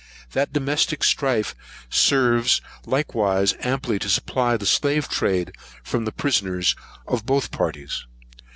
That domestic strife serves likewise amply to supply the slave trade from the prisoners of both parties.